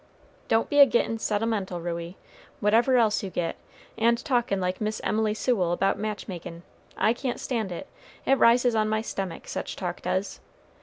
"Don't be a gettin' sentimental, Ruey, whatever else you get and talkin' like Miss Emily Sewell about match makin'; I can't stand it; it rises on my stomach, such talk does.